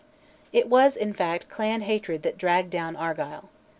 It was, in fact, clan hatred that dragged down Argyll.